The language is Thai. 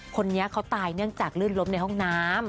คนนี้เขาตายเนื่องจากลื่นล้มในห้องน้ำ